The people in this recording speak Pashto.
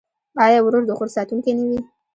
آیا ورور د خور ساتونکی نه وي؟